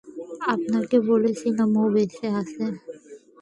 আপনাকে বলেছিলাম, ও বেঁচে আছে!